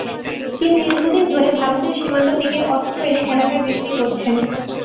তিনি দীর্ঘদিন ধরে ভারতীয় সীমান্ত থেকে অস্ত্র এনে এলাকায় বিক্রি করছেন।